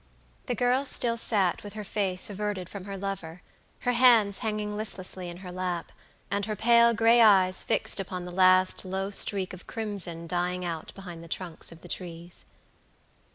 The girl still sat with her face averted from her lover, her hands hanging listlessly in her lap, and her pale gray eyes fixed upon the last low streak of crimson dying out behind the trunks of the trees.